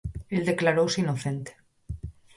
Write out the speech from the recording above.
El declarouse inocente.